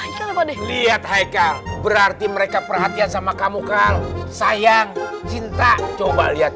banyak foto hai lihat hai kan berarti mereka perhatian sama kamu kal sayang cinta coba lihat